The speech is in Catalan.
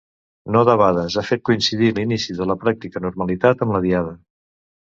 No debades, ha fet coincidir l’inici de la pràctica normalitat amb la diada.